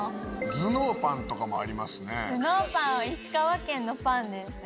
頭脳パンは石川県のパンですよ。